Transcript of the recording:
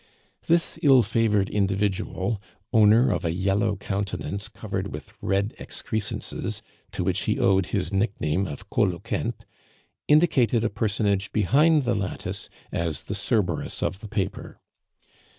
This ill favored individual, owner of a yellow countenance covered with red excrescences, to which he owed his nickname of "Coloquinte," indicated a personage behind the lattice as the Cerberus of the paper.